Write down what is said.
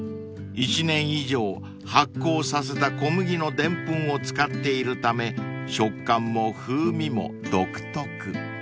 ［１年以上発酵させた小麦のでんぷんを使っているため食感も風味も独特］